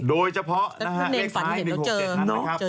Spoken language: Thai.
โดยเฉพาะเลขทะเบียนฝันเห็นว่าเจอ